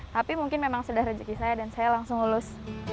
tapi mungkin memang sudah rezeki saya dan saya langsung lulus